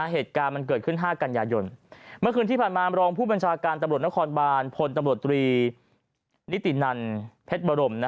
เหตุการณ์มันเกิดขึ้น๕กันยายนเมื่อคืนที่ผ่านมารองผู้บัญชาการตำรวจนครบานพลตำรวจตรีนิตินันเพชรบรม